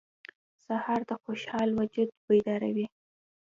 سهار د خوشحال وجود بیداروي.